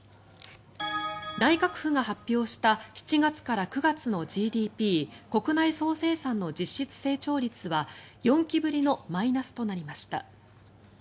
内閣府が発表した７月から９月のＧＤＰ・国内総生産の実質成長率は４期ぶりのマイナスとなりました。